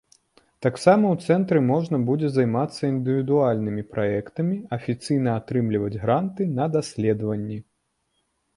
Таксама ў цэнтры можна будзе займацца індывідуальнымі праектамі, афіцыйна атрымліваць гранты на даследаванні.